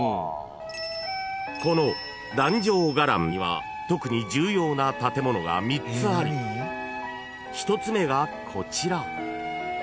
［この壇上伽藍には特に重要な建物が３つあり１つ目がこちら］